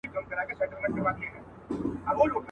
چي په دوی کي د لويو لويو کارونو کوم ارزښت وو